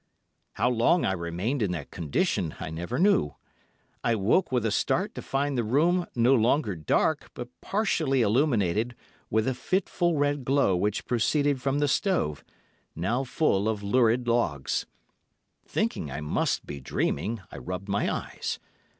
"How long I remained in that condition I never knew. I woke with a start to find the room no longer dark, but partially illuminated with a fitful red glow which proceeded from the stove, now full of lurid logs. Thinking I must be dreaming, I rubbed my eyes.